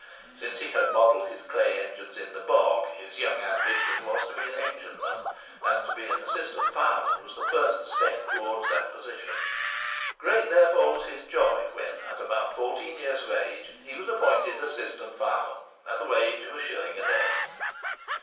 Since he had modelled his clay engines in the bog, his young ambition was to be an engineman; and to be an assistant fireman was the first step towards this position. Great therefore was his joy when, at about fourteen years of age, he was appointed assistant fireman, at the wage of a shilling a day.